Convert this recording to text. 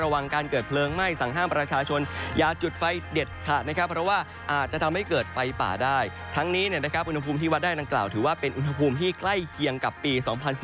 แบบจากผมที่วาดได้ด้านข่าวถือว่าเป็นอุณหภูมิที่ใกล้เคียงกับปี๒๔๘๒